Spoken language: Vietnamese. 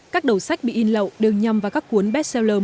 các đầu sách bị in lậu đều nhầm vào các cuốn bestseller mới